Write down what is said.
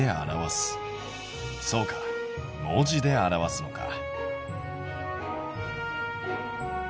そうか文字で表すのか。